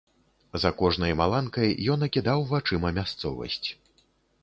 За кожнай маланкай ён акідаў вачыма мясцовасць.